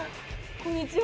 こんにちは。